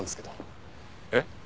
えっ？